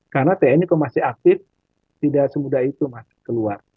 karena tni masih aktif tidak semudah itu keluar